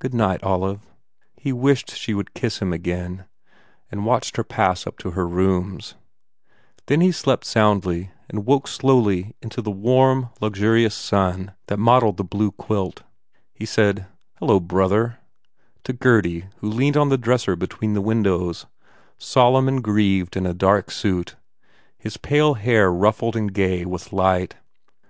Good night, Olive." He wished she would kiss him again and watched her pass up to her rooms. Then he went to bed, without thinking, and slept. He slept soundly and woke slowly into warm, luxur ious sun that mottled the blue quilt. He said, "Hello, brother," to Gurdy who leaned on the dresser between the windows, solemn and grieved in a dark suit, his pale hair ruffled and gay with light.